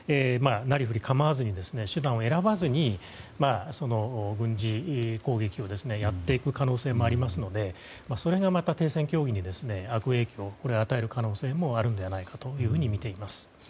なりふり構わずに手段を選ばずに軍事攻撃をやっていく可能性もありますのでそれがまた停戦協議に悪影響を与える可能性もあるのではないかとみています。